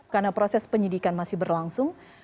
karena proses penyidikan masih berlangsung